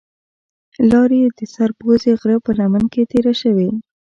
لار یې د سر پوزې غره په لمن کې تېره شوې.